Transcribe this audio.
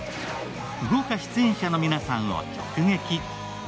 豪華出演者の皆さんを直撃。